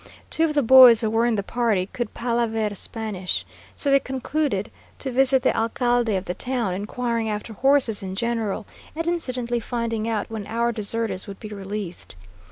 Two of the boys who were in the party could palaver Spanish, so they concluded to visit the alcalde of the town, inquiring after horses in general and incidentally finding out when our deserters would be released.